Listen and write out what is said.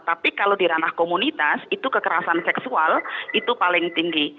tapi kalau di ranah komunitas itu kekerasan seksual itu paling tinggi